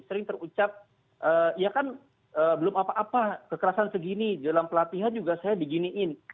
sering terucap ya kan belum apa apa kekerasan segini dalam pelatihan juga saya diginiin